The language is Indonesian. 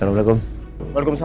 kau mau lihat kesana